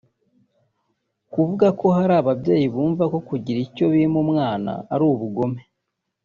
kavuga ko hari ababyeyi bumva ko kugira icyo bima umwana ari ubugome